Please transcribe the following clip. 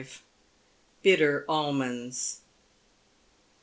BITTER ALMONDS.